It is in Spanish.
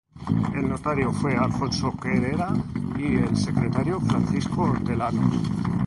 El notario fue Alfonso Quereda y el secretario, Francisco Hortelano.